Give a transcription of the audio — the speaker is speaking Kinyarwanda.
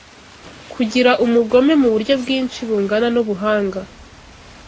Kugira umugome muburyo bwinshi bungana mubuhanga